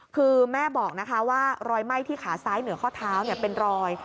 คือแม่บอกนะคะว่ารอยไหม้ที่ขาซ้ายเหนือข้อเท้าเป็นรอย